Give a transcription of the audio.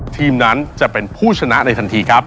ทีมนั้นจะเป็นผู้ชนะในทันทีครับ